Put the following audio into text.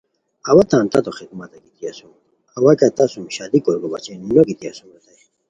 اوا تان تتو خدمتہ گیتی اسوم، اوا کیہ تہ سوم شادی کوریکو بچین نوگیتی اسوم ریتائے